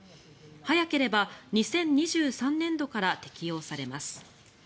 早ければ２０２３年度から適用されます。